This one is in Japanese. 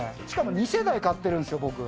しかも２世代買ってるんですよ、僕。